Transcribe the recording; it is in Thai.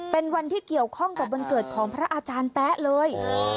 เป็นวันที่เกี่ยวข้องกับวันเกิดของพระอาจารย์แป๊ะเลย